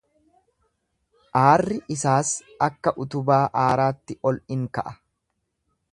Aarri isaas akka utubaa aaraatti ol in ka'a.